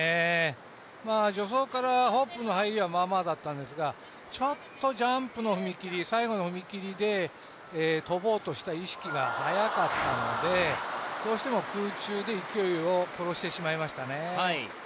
助走からホップの入りはまあまあだったんですが、ちょっとジャンプの踏み切り、最後の踏み切りで跳ぼうとした意識が速かったのでどうしても空中で勢いを殺してしまいましたね。